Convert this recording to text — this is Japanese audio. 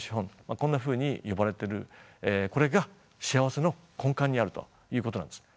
こんなふうに呼ばれているこれが幸せの根幹にあるということなんです。